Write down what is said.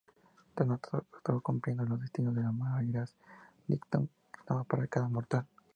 Tánatos actuaba cumpliendo el destino que las Moiras dictaban para cada mortal.